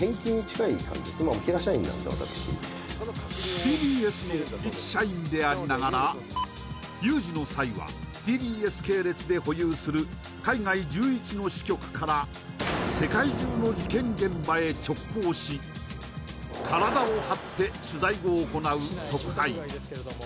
ＴＢＳの一社員でありながら、有事の際はＴＢＳ系列で保有する海外１１の支局から世界中の事件現場へ直行し体を張って取材を行う特派員。